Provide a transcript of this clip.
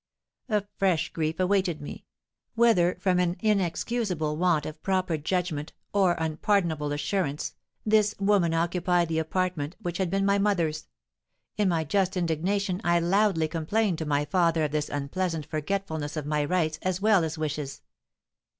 A fresh grief awaited me; whether from an inexcusable want of proper judgment or unpardonable assurance, this woman occupied the apartment which had been my mother's: in my just indignation I loudly complained to my father of this unpleasant forgetfulness of my rights as well as wishes.